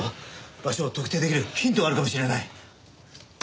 場所を特定できるヒントがあるかもしれない。